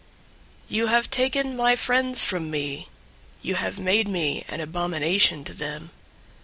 088:008 You have taken my friends from me. You have made me an abomination to them.